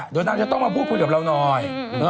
เดี๋ยวนางจะต้องมาพูดคุยกับเราหน่อย